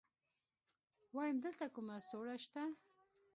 ويم دلته کومه سوړه شته.